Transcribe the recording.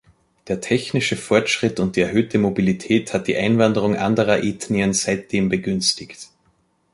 Der technische Fortschritt und die erhöhte Mobilität hat die Einwanderung anderer Ethnien seitdem begünstigt.